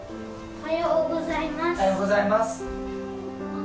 おはようございます。